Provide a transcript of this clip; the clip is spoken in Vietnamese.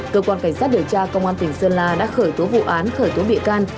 cơ quan cảnh sát điều tra công an tỉnh sơn la đã khởi tố vụ án khởi tố bị can